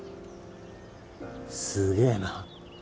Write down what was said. すげえな。